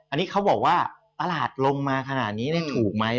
อันนี้เขาบอกว่าตลาดนานนี้ลงมาถูกไหม